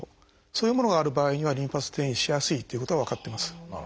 そういうものがある場合にはリンパ節転移しやすいということが分かってます。